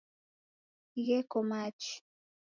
Gheko machi.